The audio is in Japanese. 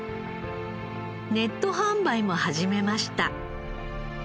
ネット販売も始めました。